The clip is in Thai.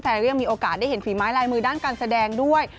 ก็ยังมีโอกาสได้เห็นฝีไม้ลายมือด้านการแสดงด้วย